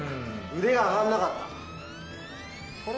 腕が上がらなかった。